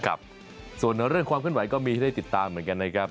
ครับส่วนเรื่องความขึ้นไหวก็มีให้ได้ติดตามเหมือนกันนะครับ